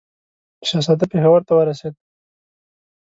شهزاده پېښور ته ورسېدی.